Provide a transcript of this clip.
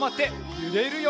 ゆれるよ。